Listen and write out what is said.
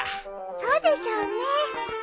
そうでしょうね。